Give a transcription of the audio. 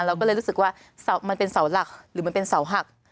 เราก็เลยรู้สึกว่ามันเป็นเสาหลักหรือมันเป็นเสาหัก